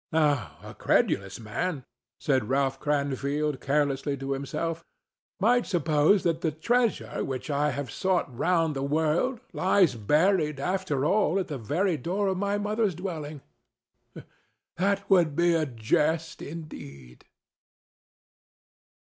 "Now, a credulous man," said Ralph Cranfield, carelessly, to himself, "might suppose that the treasure which I have sought round the world lies buried, after all, at the very door of my mother's dwelling. That would be a jest indeed."